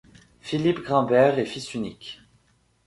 Philippe Grimbert est fils unique.